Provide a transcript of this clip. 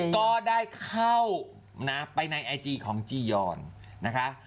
ก็ได้เข้าไปในไอจีของจียอนนะคะ